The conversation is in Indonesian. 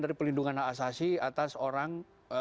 dari pelindungan hak asasi atas orang